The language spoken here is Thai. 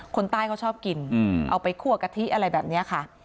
คนใต้เขาชอบกินเอาไปคั่วกะทิอะไรแบบนี้ค่ะ